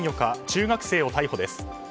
中学生を逮捕です。